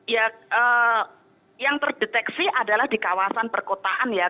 ya yang terdeteksi adalah di kawasan perkotaan ya